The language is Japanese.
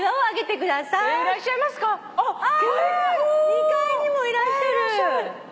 ２階にもいらっしゃる。